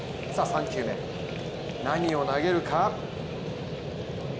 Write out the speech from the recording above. ３球目、何を投げるか？